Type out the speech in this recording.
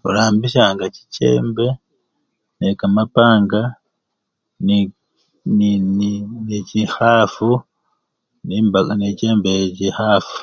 Khurambishanga chichembe ne kamapanga ne! ni! ni! ni! ni! ne chikhafu nimba! ne chembe ye chikhafu.